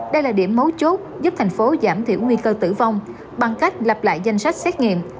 đây là điểm mấu chốt giúp thành phố giảm thiểu nguy cơ tử vong bằng cách lập lại danh sách xét nghiệm